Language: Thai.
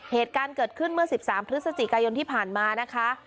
เหตุการณ์เกิดขึ้นเมื่อ๑๓พฤศจิกายนที่ผ่านมานะคะ